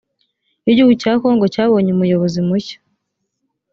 igihugu cya kongo cyabonye umuyobozi mu shya